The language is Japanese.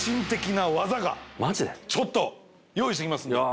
ちょっと用意してきますんでいや